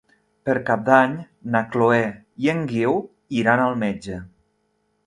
Per Cap d'Any na Chloé i en Guiu iran al metge.